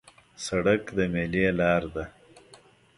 سړک د میلې لار ده.